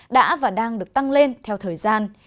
đã và đang được tăng lên theo thời gian